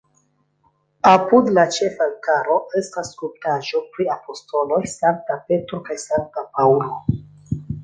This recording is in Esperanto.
Apud la ĉefaltaro estas skulptaĵoj pri apostoloj Sankta Petro kaj Sankta Paŭlo.